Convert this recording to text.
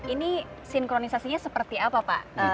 ini sinkronisasinya seperti apa pak